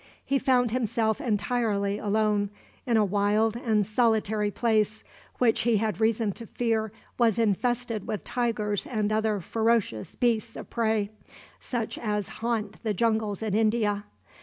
He found himself entirely alone, in a wild and solitary place, which he had reason to fear was infested with tigers and other ferocious beasts of prey, such as haunt the jungles in India.